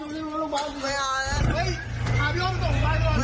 แม้งลงบ้านเร็ว